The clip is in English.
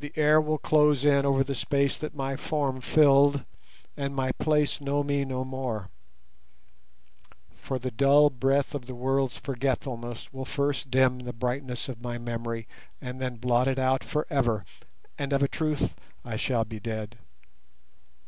The air will close in over the space that my form filled and my place know me no more; for the dull breath of the world's forgetfulness will first dim the brightness of my memory, and then blot it out for ever, and of a truth I shall be dead.